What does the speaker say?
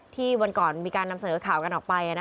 วันก่อนมีการนำเสนอข่าวกันออกไป